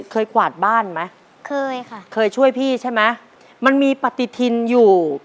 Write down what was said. กวาดบ้านไหมเคยค่ะเคยช่วยพี่ใช่ไหมมันมีปฏิทินอยู่